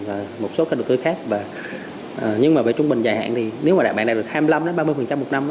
và một số kênh đầu tư khác nhưng mà về trung bình dài hạn thì nếu mà bạn đạt được hai mươi năm ba mươi một năm